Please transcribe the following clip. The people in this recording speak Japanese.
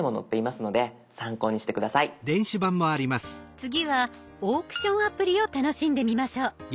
次はオークションアプリを楽しんでみましょう。